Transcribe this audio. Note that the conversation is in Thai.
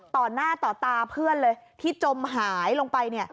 ต่อหน้าต่อตาเพื่อนเลยที่จมหายลงไป